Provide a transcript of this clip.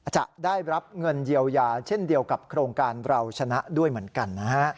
จะได้รับเงินเยียวยาเช่นเดียวกับโครงการเราชนะด้วยเหมือนกันนะฮะ